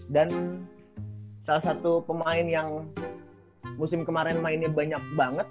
dan salah satu pemain yang musim kemarin mainnya banyak banget